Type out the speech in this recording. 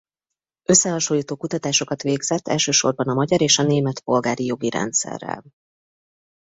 Összehasonlító kutatásokat végzett elsősorban a magyar és a német polgári jogi rendszerrel.